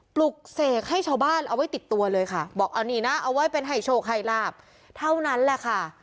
ปลุกเสกให้ชาวบ้านเอาไว้ติดตัวเลยค่ะบอกเอานี่นะเอาไว้เป็นให้โชคให้ลาบเท่านั้นแหละค่ะ